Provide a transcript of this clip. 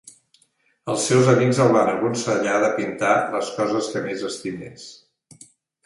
Els seus amics el van aconsellar de pintar les coses que més estimés.